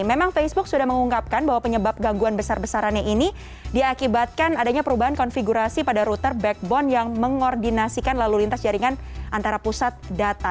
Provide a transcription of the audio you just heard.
memang facebook sudah mengungkapkan bahwa penyebab gangguan besar besarannya ini diakibatkan adanya perubahan konfigurasi pada router backbone yang mengordinasikan lalu lintas jaringan antara pusat data